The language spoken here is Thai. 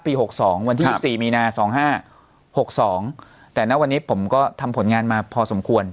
ณปีหกสองวันที่ยืนสี่มีนาสองห้าหกสองแต่น๊ะวันนี้ผมก็ทำผลงานมาพอสมควร